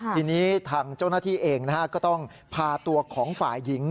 ทีนี้ทางเจ้าหน้าที่เองก็ต้องพาตัวของฝ่ายหญิง